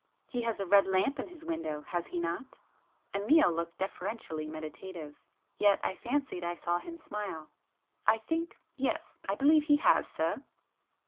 "He has a red lamp in his window has he not?" Amiel looked deferentially meditative. Yet I fancied I saw him smile. "I think——yes,—I believe he has, sir."